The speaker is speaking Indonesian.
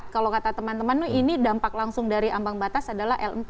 kalau kata teman teman ini dampak langsung dari ambang batas adalah l empat